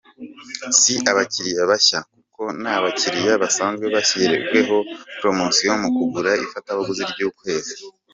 Si abakiriya bashya kuko n’abakiriya basanzwe bashyiriweho promosiyo mu kugura ifatabuguzi ry’ukwezi.